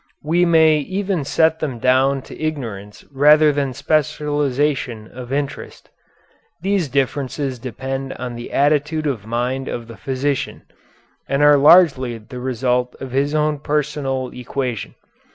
We may even set them down to ignorance rather than specialization of interest. These differences depend on the attitude of mind of the physician, and are largely the result of his own personal equation.